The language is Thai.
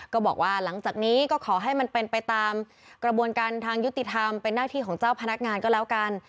ก็บอกว่าหลังจากนี้ก็ขอให้มันเป็นไปตามกระบวนการทางยุติธรรมเป็นหน้าที่ของเจ้าพนักงานก็แล้วกัน